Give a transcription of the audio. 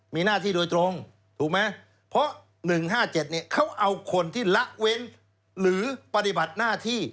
มีหน้าที่โดยตรงถูกไหมเพราะ๑๕๗เขาเอาคนที่ละเว้นหรือปฏิบัติหน้าที่